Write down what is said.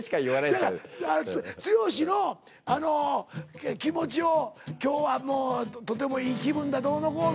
だから剛のあの気持ちを今日はもうとてもいい気分だどうのこうの。